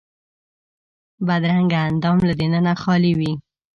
بدرنګه اندام له دننه خالي وي